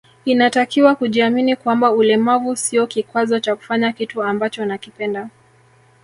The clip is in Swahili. Inatakiwa kujiamini kwamba ulemavu sio kikwazo cha kufanya kitu ambacho unakipenda